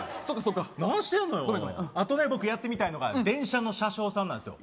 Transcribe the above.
何してんの、あと僕がやってみたいのが電車の車掌さんなんですよ。